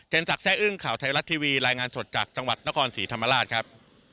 สักแซ่อึ้งข่าวไทยรัฐทีวีรายงานสดจากจังหวัดนครศรีธรรมราชครับ